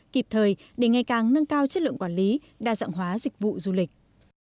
kịp thời để ngày càng nâng cao chất lượng quản lý đa dạng hóa dịch vụ du lịch